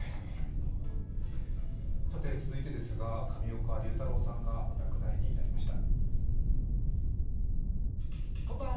続いてですが、上岡龍太郎さんがお亡くなりになりました。